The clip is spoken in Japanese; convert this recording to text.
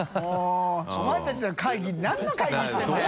發お前たちの会議何の会議してるんだよ。